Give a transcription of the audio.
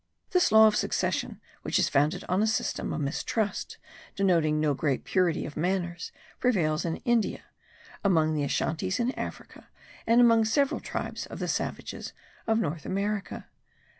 This law of succession which is founded on a system of mistrust, denoting no great purity of manners, prevails in India; among the Ashantees (in Africa); and among several tribes of the savages of North America.